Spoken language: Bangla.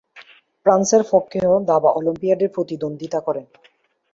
ফ্রান্সের পক্ষেও দাবা অলিম্পিয়াডে প্রতিদ্বন্দ্বিতা করেন।